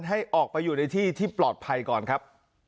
ให้ออกไปอยู่ในที่ที่ปลอดภัยก่อนครับ